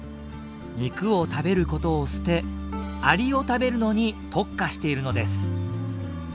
肉を食べることを捨てアリを食べるのに特化しているのです。